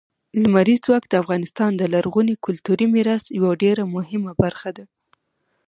لمریز ځواک د افغانستان د لرغوني کلتوري میراث یوه ډېره مهمه برخه ده.